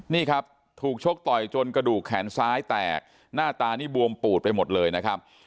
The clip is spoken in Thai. นี่ครับถูกชกต่อยจนกระดูกแขนซ้ายแตกหน้าตานี่บวมปูดไปหมดเลยนะครับ